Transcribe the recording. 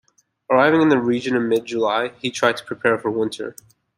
Arriving in the region in mid-July, he tried to prepare for winter.